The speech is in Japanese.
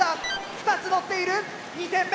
２つのっている２点目！